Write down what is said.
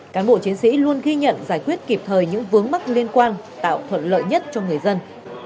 cán bộ chiến sĩ luôn ghi nhận giải quyết kịp thời những vướng mắc liên quan tạo thuận lợi nhất cho người dân